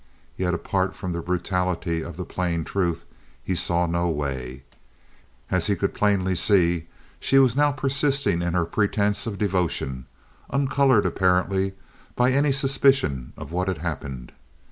Yet apart from the brutality of the plain truth, he saw no way. As he could plainly see, she was now persisting in her pretense of devotion, uncolored, apparently, by any suspicion of what had happened.